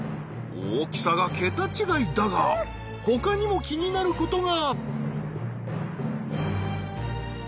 大きさが桁違いだがほかにも気になることが。